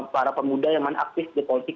para pemuda yang non aktif di politik